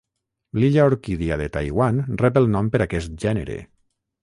L'Illa orquídia de Taiwan rep el nom per aquest gènere.